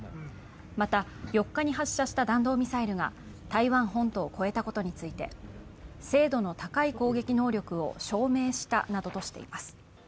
また、４日に発射した弾道ミサイルが台湾本島を越えたことについて精度の高い攻撃能力を証明したなどとしています。